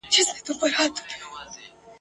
د مشاعرې مشر، ارواښاد سېلاب ساپي !.